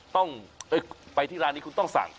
ต้องไปที่ร้านนี้คุณต้องสั่ง